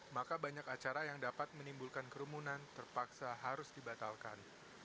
maka banyak acara yang dapat menimbulkan kerumunan terpaksa harus dibatalkan